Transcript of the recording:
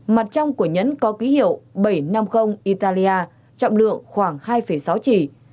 mặt trong của nhẫn có ký hiệu bảy trăm năm mươi italia trọng lượng khoảng hai sáu chỉ